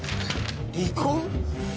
離婚？